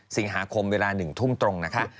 สิงหาคมเวลา๑ทุ่มตรงนะคะ